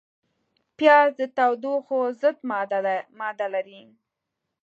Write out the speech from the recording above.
پیاز د توښو ضد ماده لري